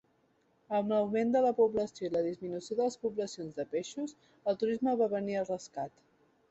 Amb l'augment de la població i la disminució de les poblacions de peixos, el turisme va venir al rescat.